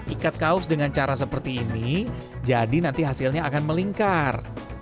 ikat kaos dengan cara seperti ini jadi nanti hasilnya akan melingkar